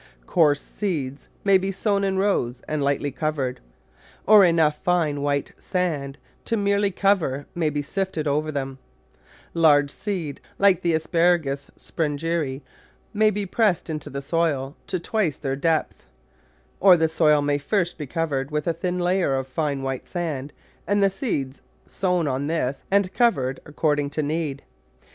Coarse seeds may be sown in rows and lightly cov ered, or enough fine white sand to merely cover may be sifted over them. Large seed, like the Asparagus Sprengeri may be pressed into the soil to twice their Digitized by Google so The Flower Garden [ Cha P tcr depth. Or the soil may first be covered with a thin layer of fine white sand, and the seeds sown on this and covered according to need.